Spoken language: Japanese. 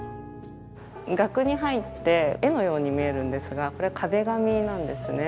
額に入って絵のように見えるんですがこれ壁紙なんですね。